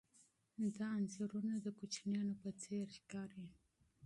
دا انځورونه د کوچنیانو په څېر ښکاري.